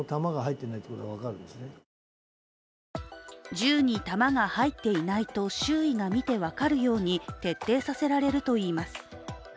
銃に弾が入っていないと周囲が見て分かるように徹底させられるといいます。